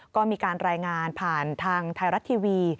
ก็มีการรายงานผ่านทางไทยรัฐทีวี